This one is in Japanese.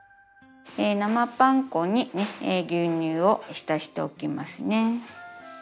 生パン粉に牛乳を浸しておきますね。